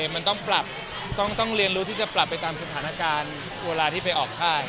มันต้องปรับต้องเรียนรู้ที่จะปรับไปตามสถานการณ์เวลาที่ไปออกค่าย